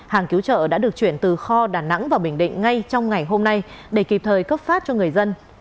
hàng cứu trợ đã được chuyển từ kho đà nẵng và bình định ngay trong ngày hôm nay để kịp thời cấp phát cho người dân